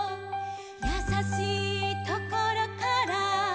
「やさしいところから」